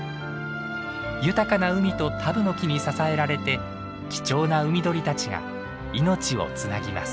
豊かな海とタブノキに支えられて貴重な海鳥たちが命をつなぎます。